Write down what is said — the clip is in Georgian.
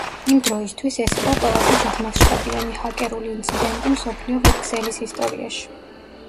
იმ დროისთვის ეს იყო ყველაზე დიდმასშტაბიანი ჰაკერული ინციდენტი მსოფლიო ვებ ქსელის ისტორიაში.